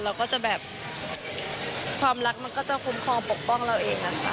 เราก็จะแบบความรักมันก็จะคุ้มครองปกป้องเราเองนะคะ